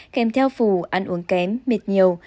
kèm theo phù ăn uống kém mệt nhiều